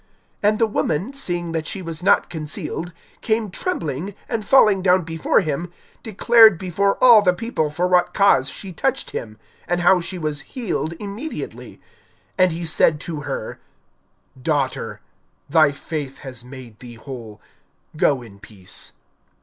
(47)And the woman, seeing that she was not concealed, came trembling, and falling down before him, declared before all the people for what cause she touched him, and how she was healed immediately. (48)And he said to her: Daughter, thy faith has made thee whole; go in peace.